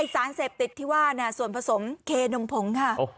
สารเสพติดที่ว่าส่วนผสมเคนมผงค่ะ